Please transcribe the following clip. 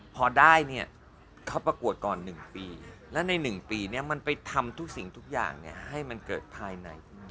พอได้เนี่ยเขาประกวดก่อน๑ปีแล้วใน๑ปีเนี่ยมันไปทำทุกสิ่งทุกอย่างให้มันเกิดภายใน